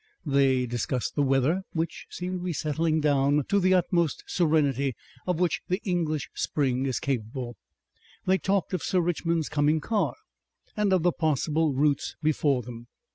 They discussed the weather, which seemed to be settling down to the utmost serenity of which the English spring is capable, they talked of Sir Richmond's coming car and of the possible routes before them.